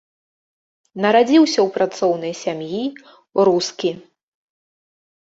Нарадзіўся ў працоўнай сям'і, рускі.